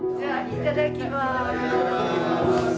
いただきます。